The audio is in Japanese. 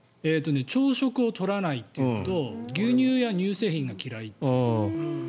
朝食を取らないというのと牛乳や乳製品が嫌い。